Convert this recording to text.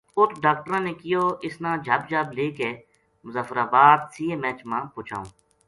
اُت ڈاکٹراں نے کہیو اس نا جھب جھب لے کے مظفر آباد سی ایم ایچ ما پوہچاؤں